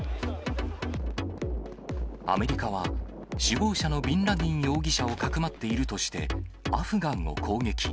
アメリカは、首謀者のビンラディン容疑者をかくまっているとして、アフガンを攻撃。